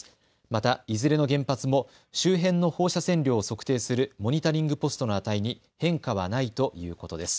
また、いずれの原発も周辺の放射線量を測定するモニタリングポストの値に変化はないということです。